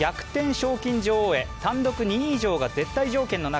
賞金女王へ単独２位以上が絶対条件の中